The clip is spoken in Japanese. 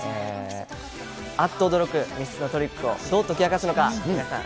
あっと驚く密室のトリックをどう解き明かすのか、皆さん